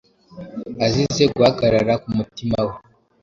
azize guhagarara k’umutima we